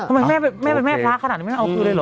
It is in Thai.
ทำไมแม่เป็นแม่พระขนาดนี้ไม่เอาคืนเลยเหรอ